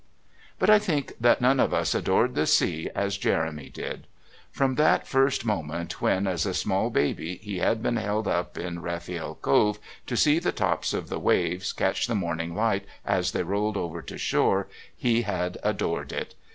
But I think that none of us adored the sea as Jeremy did. From that first moment when, as a small baby, he had been held up in Rafiel Cove to see the tops of the waves catch the morning light as they rolled over to shore, he had adored it.